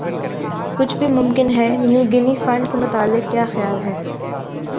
کچھ بھِی ممکن ہے نیو گِنی فنڈ کے متعلق کِیا خیال ہے